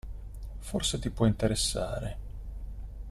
Forse ti può interessare.